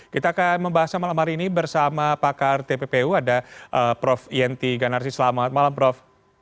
kita akan membahasnya malam hari ini bersama pakar tppu ada prof yenti ganarsi selamat malam prof